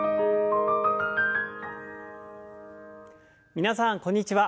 皆さんこんにちは。